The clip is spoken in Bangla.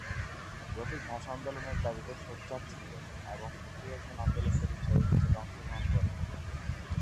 রফিক ভাষা আন্দোলনের দাবিতে সোচ্চার ছিলেন এবং সক্রিয় একজন আন্দোলনকারী হিসেবে মিছিলে অংশগ্রহণ করেন।